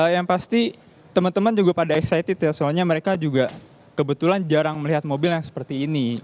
yang pasti teman teman juga pada excited ya soalnya mereka juga kebetulan jarang melihat mobil yang seperti ini